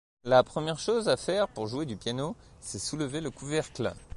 La première chose à faire pour jouer du piano, c'est soulever le couvercle.